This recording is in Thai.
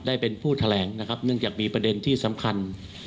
ได้เป็นผู้แถลงนะครับเนื่องจากมีประเด็นที่สำคัญ